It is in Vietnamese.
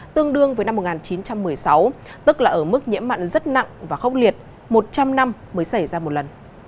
tương đương với năm một nghìn chín trăm một mươi sáu tức là ở mức nhiễm mặn rất nặng và khốc liệt một trăm linh năm mới xảy ra một lần